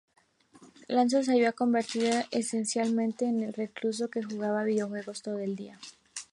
Lanza se había convertido esencialmente en un "recluso" que jugaba videojuegos todo el día.